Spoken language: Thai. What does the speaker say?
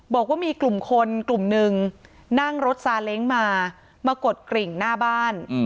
บอกว่ามีกลุ่มคนกลุ่มหนึ่งนั่งรถซาเล้งมามากดกริ่งหน้าบ้าน